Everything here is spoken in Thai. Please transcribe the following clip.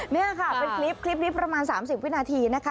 นี่ค่ะเป็นคลิปนี้ประมาณ๓๐วินาทีนะคะ